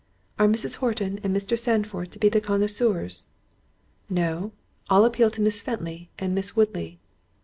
"Are Mrs. Horton and Mr. Sandford to be the connoisseurs?" "No; I'll appeal to Miss Fenton and Miss Woodley."